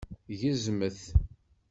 Gezmet!